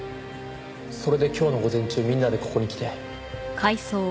それで今日の午前中みんなでここに来て。